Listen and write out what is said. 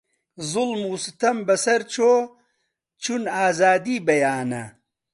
زوڵم و ستەم بە سەر چۆ چوون ئازادی بەیانە